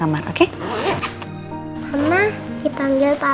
masuk istirahat ya